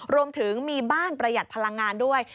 รวมถึงมีบ้านประหยัดพลังงานด้วย